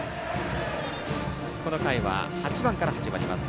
この回は８番から始まります。